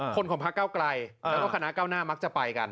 ของพระเก้าไกลแล้วก็คณะเก้าหน้ามักจะไปกัน